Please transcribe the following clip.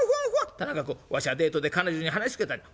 「田中君わしはデートで彼女に話し続けたんじゃ」。